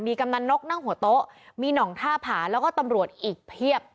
กำนันนกนั่งหัวโต๊ะมีหน่องท่าผาแล้วก็ตำรวจอีกเพียบ